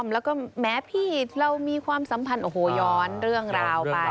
แล้วก็แม้พี่เรามีความสัมพันธ์โอ้โหย้อนเรื่องราวไป